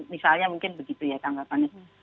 misalnya mungkin begitu ya tanggapannya